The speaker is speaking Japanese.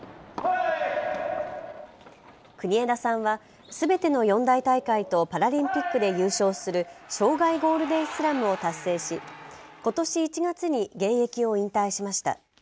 国枝さんはすべての四大大会とパラリンピックで優勝する生涯ゴールデンスラムを達成しことし１月に現役を引退しました。